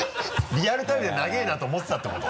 リアルタイムで「長いな」と思ってたってこと？